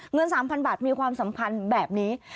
เงิน๓๐๐๐บาทมีความสำคัญแบบนี้